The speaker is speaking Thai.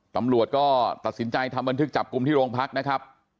ตำรวจก็ตัดสินใจทำบันทึกจับกลุ่มที่โรงพักนะครับ